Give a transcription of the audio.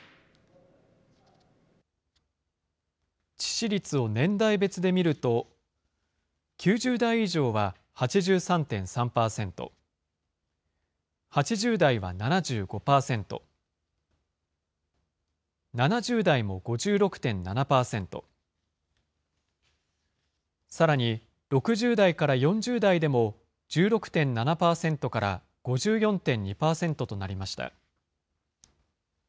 致死率を年代別で見ると、９０代以上は８３．３％、８０代は７５％、７０代も５６．７％、さらに６０代から４０代でも１６．７％から５４．２％となりました。